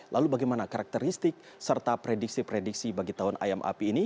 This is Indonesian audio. lalu bagaimana karakteristik serta prediksi prediksi bagi tahun ayam api ini